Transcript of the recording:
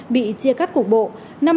bị chia cắt cục bộ